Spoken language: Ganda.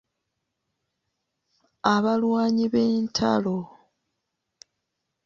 Abalwanyi b'entalo.